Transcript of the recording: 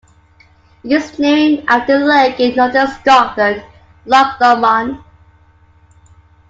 It is named after a lake in northern Scotland, Loch Lomond.